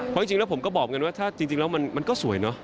เพราะจริงแล้วผมก็บอกกันว่าถ้าจริงแล้วมันก็สวยเนอะ